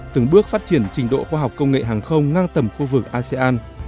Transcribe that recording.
từng bước phát triển trình độ khoa học công nghệ hàng không ngang tầm khu vực asean